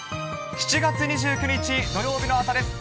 ７月２９日土曜日の朝です。